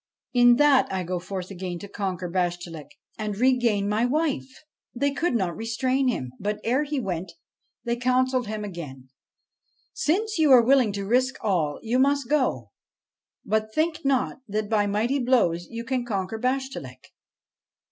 In that I go forth again to conquer Bashtchelik, and regain my wife.' They could not restrain him, but, ere he went, they counselled him again :' Since you are willing to risk all, you must go ; but think not that by mighty blows you can conquer Bashtchelik.